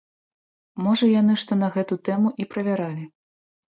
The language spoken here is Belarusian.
Можа яны што на гэту тэму і правяралі.